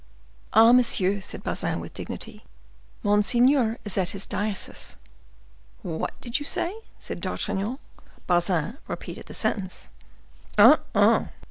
"Ah, monsieur," said Bazin, with dignity, "monseigneur is at his diocese." "What did you say?" said D'Artagnan. Bazin repeated the sentence. "Ah, ah!